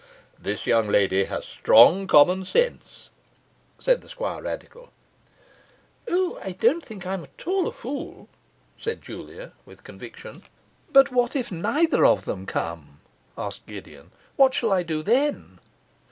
'This young lady has strong common sense,' said the Squirradical. 'O, I don't think I'm at all a fool,' said Julia, with conviction. 'But what if neither of them come?' asked Gideon; 'what shall I do then?